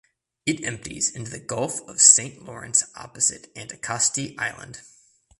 It empties into the Gulf of Saint Lawrence opposite Anticosti Island.